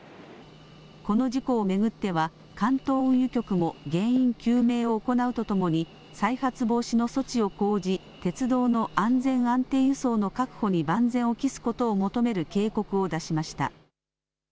この事故を巡っては、関東運輸局も原因究明を行うとともに、再発防止の措置を講じ、鉄道の安全・安定輸送の確保に万全を期すことを求める警告を出しました。